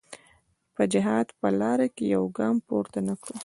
په جهاد په لاره کې یو ګام پورته نه کړ.